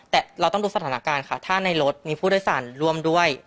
แต่เราต้องดูสถานการณ์ค่ะถ้าในรถมีผู้โดยสารร่วมด้วย